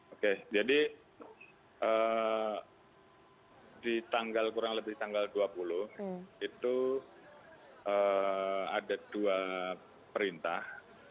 oke jadi di tanggal kurang lebih tanggal dua puluh itu ada dua perintah